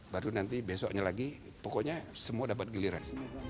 baru nanti besoknya lagi pokoknya semua dapat giliran